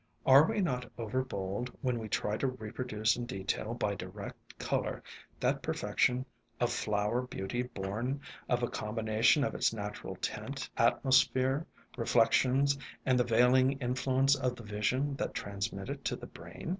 Are we not over bold when we try to reproduce in detail by direct color, that perfection of flower beauty born of a combination of its natural tint, atmosphere, reflec w^ i ALONG THE WATERWAYS 6 1 tions, and the veiling influence of the vision that transmits it to the brain